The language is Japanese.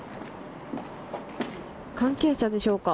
関係者でしょうか。